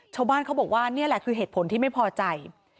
ชาวบ้านเขาบอกว่านี่แหละคือเหตุผลที่ไม่พอใจ